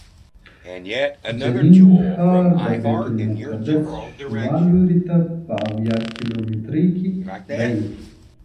جنین ښار د بیت المقدس شمال لوري ته په اویا کیلومترۍ کې دی.